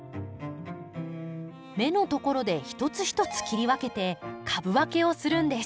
芽のところで一つ一つ切り分けて株分けをするんです。